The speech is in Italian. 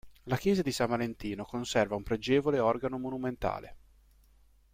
La chiesa di San Valentino conserva un pregevole organo monumentale.